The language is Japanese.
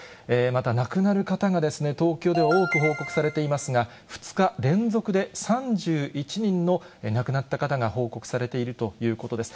また、亡くなる方がですね、東京では多く報告されていますが、２日連続で３１人の亡くなった方が報告されているということです。